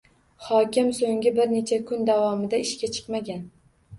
Hokim soʻnggi bir necha kun davomida ishga chiqmagan.